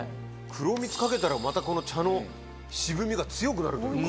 黒蜜かけたらまたこの茶の渋みが強くなるというか。